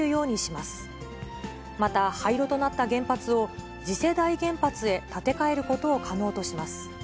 また、廃炉となった原発を次世代原発へ建て替えることを可能とします。